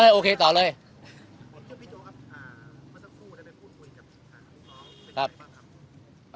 พี่โจ๊กครับอ่าเมื่อทั้งคู่ได้ไปพูดคุยกับครับ